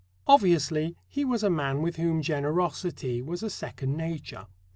Obviously, he was a man with whom generosity was a second nature.